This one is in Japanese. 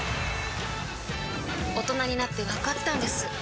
大人になってわかったんです